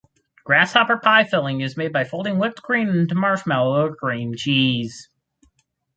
Grasshopper pie filling is made by folding whipped cream into marshmallow or cream cheese.